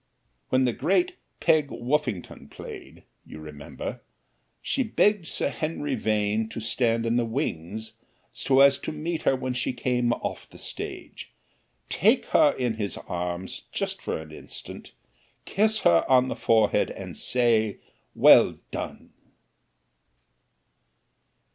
When the great Peg Woffington played, you remember, she begged Sir Henry Vane to stand in the wings so as to meet her when she came off the stage, take her in his arms just for an instant, kiss her on the forehead and say, "Well done!"